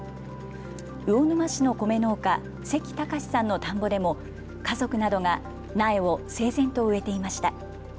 魚沼市の米農家、関隆さんの田んぼでも家族などが苗を整然と植えていました。